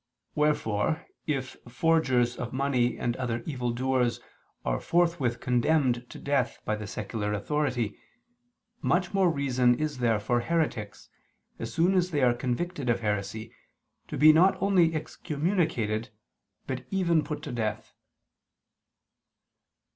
Wherefore if forgers of money and other evil doers are forthwith condemned to death by the secular authority, much more reason is there for heretics, as soon as they are convicted of heresy, to be not only excommunicated but even put to death.